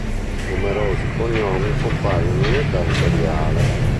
Numerosi cognomi compaiono in età imperiale.